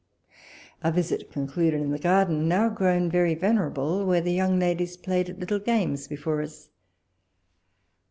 Our visit concluded in the garden, now grown very venerable, where the young ladies played at little games before us.